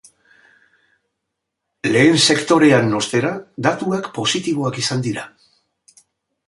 Lehen sektorean, ostera, datuak positiboak izan dira.